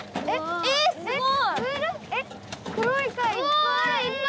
えすごい！